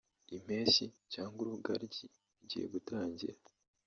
impeshyi cyangwa urugaryi bigiye gutangira